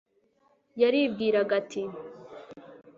yaribwiraga ati